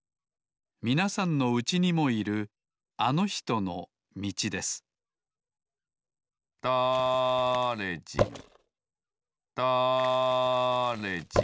みなさんのうちにもいるあのひとのみちですだれじんだれじん